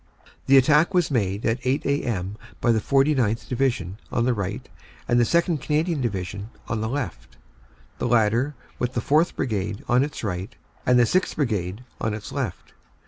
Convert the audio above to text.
The attack was made at 8 a.m. by the 49th. Division on the right and the 2nd. Canadian Division on the left, the latter with the 4th. Brigade on its right and the 6th. Brigade on its left.